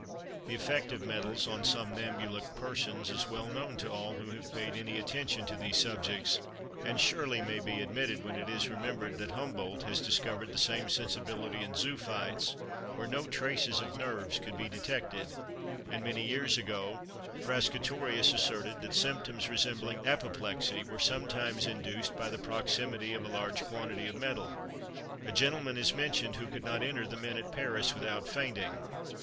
The effect of metals on somnambulic persons is well known to all who have paid any attention to these subjects; and surely may be admitted, when it is remembered that Humboldt has discovered the same sensibility in zoophytes, where no traces of nerves could be detected; and, many years ago, Frascatorius asserted that symptoms resembling apoplexy were sometimes induced by the proximity of a large quantity of metal. A gentleman is mentioned who could not enter the mint at Paris without fainting.